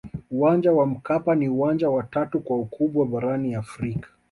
uwanja wa mkapa ni uwanja wa tatu kwa ukubwa barani afrika